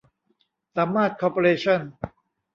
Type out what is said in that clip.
สามารถคอร์ปอเรชั่น